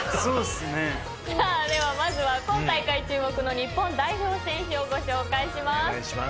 さあではまずは今大会注目の日本代表選手をご紹介します。